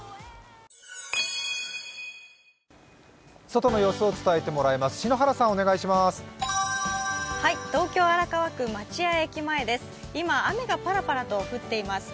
外の様子を伝えてもらいます。